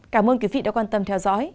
cảm ơn quý vị đã quan tâm theo dõi